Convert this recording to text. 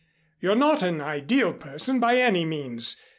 You're not an ideal person by any means.